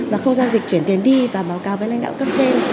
và không giao dịch chuyển tiền đi và báo cáo với lãnh đạo cấp trên